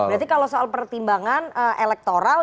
berarti kalau soal pertimbangan elektoral